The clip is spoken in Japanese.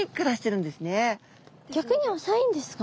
逆に浅いんですか？